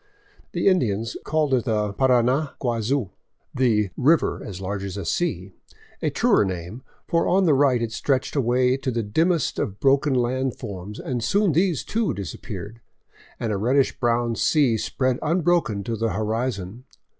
The Indians called it the Parana Guazu, 6ii VAGABONDING DOWN THE ANDES the " River Large as a Sea," a truer name, for on the right it stretched away to the dimmest of broken land forms, and soon these, too, dis appeared, and a reddish brown sea spread unbroken to the horizon.